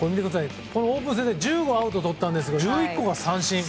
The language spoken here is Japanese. オープン戦で１５アウトとったんですが１１個が三振。